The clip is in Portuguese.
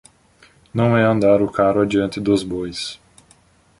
Não é andar o carro adiante dos bois.